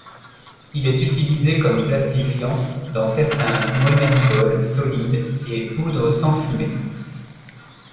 Il est utilisé comme plastifiant dans certains monergols solides et poudres sans fumée.